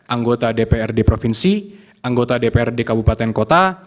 anggota dpr di provinsi anggota dpr di kabupaten kota